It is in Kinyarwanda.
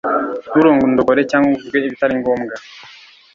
nturondogore cyangwa ngo uvuge ibitari ngombwa